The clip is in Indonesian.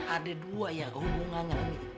ada dua ya hubungannya